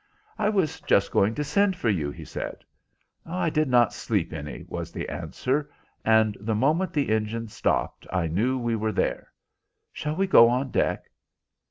"I was just going to send for you," he said. "I did not sleep any," was the answer, "and the moment the engine stopped I knew we were there. Shall we go on deck?"